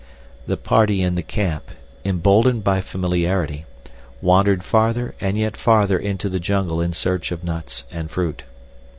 The party in the camp, emboldened by familiarity, wandered farther and yet farther into the jungle in search of nuts and fruit.